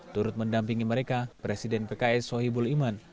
turut mendampingi mereka presiden pks sohibul iman